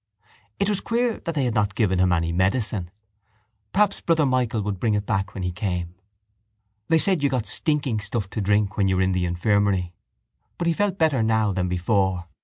It was queer that they had not given him any medicine. Perhaps Brother Michael would bring it back when he came. They said you got stinking stuff to drink when you were in the infirmary. But he felt better now than before.